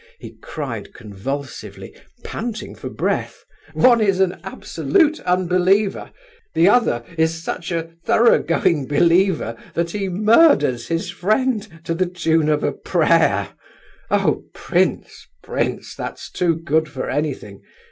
he cried convulsively, panting for breath. "One is an absolute unbeliever; the other is such a thorough going believer that he murders his friend to the tune of a prayer! Oh, prince, prince, that's too good for anything!